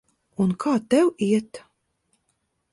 Un kā tev iet?